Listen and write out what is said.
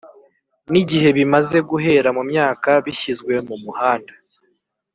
nigihe bimaze guhera kumyaka bishyizwe mu muhanda